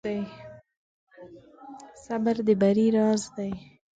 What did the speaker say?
صبر د بری راز دی.